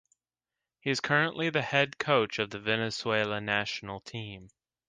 He is currently the head coach of the Venezuela national team.